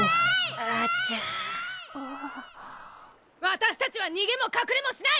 私達は逃げも隠れもしない！！